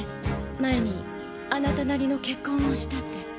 前にあなたなりの結婚をしたって。